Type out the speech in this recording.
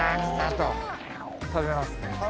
食べますね。